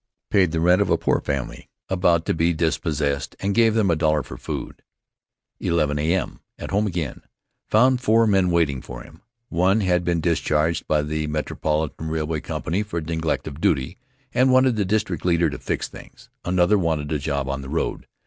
Paid the rent of a poor family about to be dispossessed and gave them a dollar for food. 11 A.M.: At home again. Found four men waiting for him. One had been discharged by the Metropolitan Rail way Company for neglect of duty, and wanted the district leader to fix things. Another wanted a job on the road.